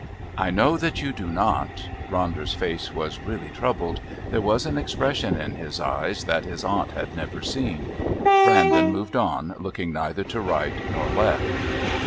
"I know that you do not." Ronder's face was really troubled; there was an expression in his eyes that his aunt had never seen. Brandon moved on, looking neither to right nor left.